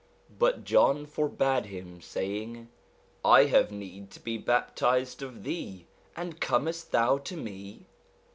But John forbade him, saying, I have need to be bap tized of thee, and comes t thou to me